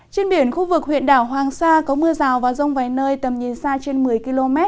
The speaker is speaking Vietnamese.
trên biển khu vực huyện đảo hoàng sa có mưa rào và rông vài nơi tầm nhìn xa trên một mươi km